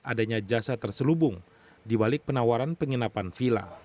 adanya jasa terselubung di balik penawaran penginapan vila